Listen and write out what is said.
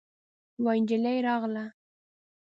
يوه نجلۍ راغله.